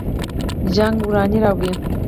جنګ ورانی راوړي